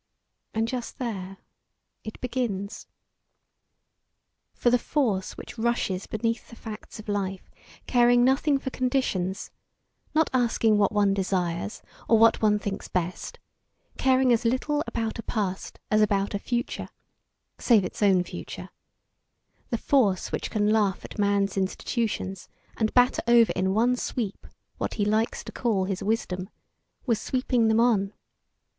And just there it begins. For the force which rushes beneath the facts of life, caring nothing for conditions, not asking what one desires or what one thinks best, caring as little about a past as about a future save its own future the force which can laugh at man's institutions and batter over in one sweep what he likes to call his wisdom, was sweeping them on.